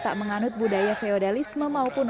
tak menganut budaya feodalisme maupun